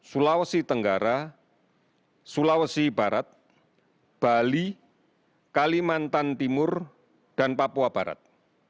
sulawesi tenggara sulawesi barat bali kalimantan timur dan papua barat